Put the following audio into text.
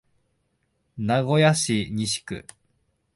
名古屋市西区